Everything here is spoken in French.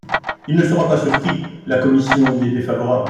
Il ne sera pas surpris, la commission y est défavorable.